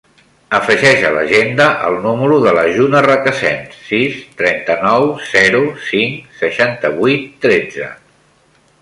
Afegeix a l'agenda el número de la Juna Recasens: sis, trenta-nou, zero, cinc, seixanta-vuit, tretze.